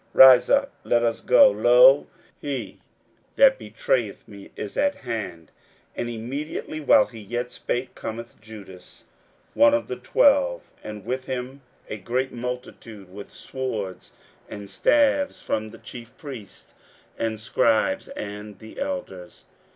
41:014:042 Rise up, let us go; lo, he that betrayeth me is at hand. 41:014:043 And immediately, while he yet spake, cometh Judas, one of the twelve, and with him a great multitude with swords and staves, from the chief priests and the scribes and the elders.